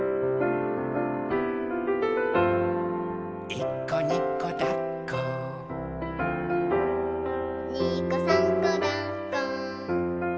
「いっこにこだっこ」「にこさんこだっこ」